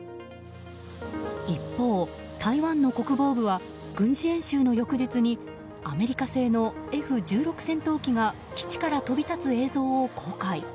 一方、台湾の国防部は軍事演習の翌日にアメリカ製のＦ１６戦闘機が基地から飛び立つ映像を公開。